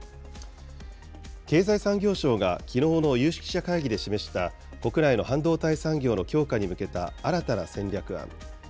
経済産業省がきのうの有識者会議で示した国内の半導体産業の強化に向けた新たな戦略案。